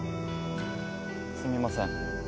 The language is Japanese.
すみません